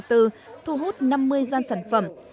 thu hút năm mươi gian sản phẩm